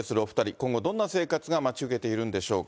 今後、どんな生活が待ち受けているんでしょうか。